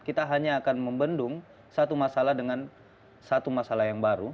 kita hanya akan membendung satu masalah dengan satu masalah yang baru